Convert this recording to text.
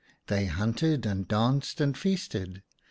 They hunted, and danced, and feasted.